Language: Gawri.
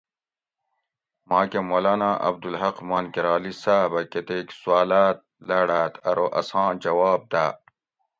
ماکہ مولانا عبدالحق مانکرالی صاۤب اۤ کتیک سوالاۤت لاڑاۤت ارو اساں جواب داۤ